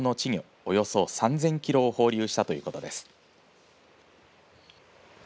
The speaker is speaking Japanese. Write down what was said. およそ３０００キロを放流したということです。